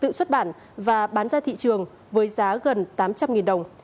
tự xuất bản và bán ra thị trường với giá gần tám trăm linh đồng